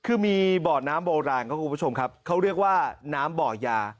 คือมีบ่อน้ำโบราณเขาเรียกว่าน้ำบ่อยา